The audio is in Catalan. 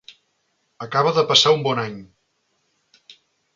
Acaba de passar un bon any.